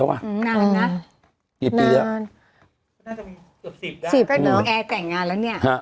อืมนานน่ะกี่ปีแล้วน่าจะมีสุดสิบได้สิบเหมือนว่าแอร์แต่งงานแล้วเนี่ยฮะ